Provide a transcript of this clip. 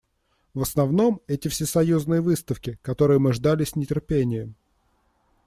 В основном, эти Всесоюзные выставки, которые мы ждали с нетерпением.